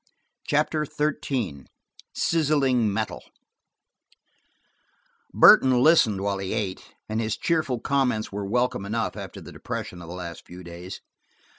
CHAPTER XIII SIZZLING METAL BURTON listened while he ate, and his cheerful comments were welcome enough after the depression of the last few days.